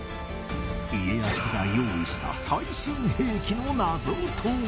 家康が用意した最新兵器の謎とは？